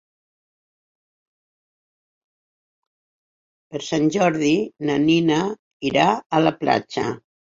Per Sant Jordi na Nina irà a la platja.